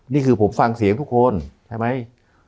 นี่คือผมฟังเสียงทุกคนใช่ไหม